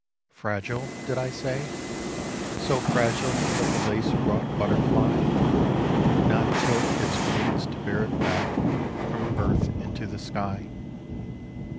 Fragile did I say? So fragile that the lace wrought butterfly Would not tilt its wings to bear it back from earth into the sky.